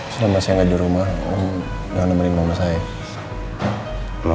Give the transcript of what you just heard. selama saya ga dirumah jangan ngemeringin mama saya